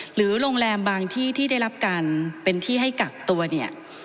หรือโรงแรมบางที่ที่ได้รับการเป็นที่ให้กักตัวเนี่ย